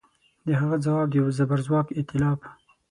د هغه ځواب د یوه زبرځواک ایتلاف